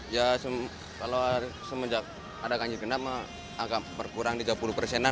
ya kalau semenjak ada ganjil genap agak berkurang tiga puluh persenan